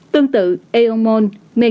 tương tự eomon